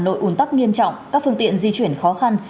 tình trạng ủn tắc nghiêm trọng các phương tiện di chuyển khó khăn